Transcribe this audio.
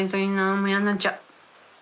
もう嫌になっちゃう。